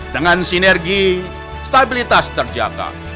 dengan sinergi stabilitas terjaga